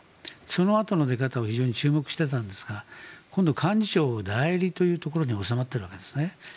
そのあとの出方を非常に注目していたんですが今度は幹事長代理というところに収まっているわけですね。